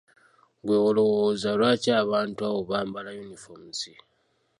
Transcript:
Ggwe olowooza lwaki abantu abo bambala uniforms?